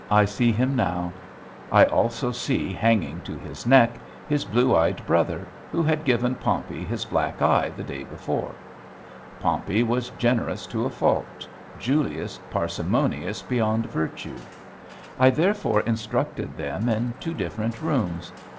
I see him now. I also see, hanging to his neck, his blue eyed brother, who had given Pompey his black eye the day before. Pompey was generous to a fault; Julius, parsimonious beyond virtue. I therefore instructed them in two different rooms.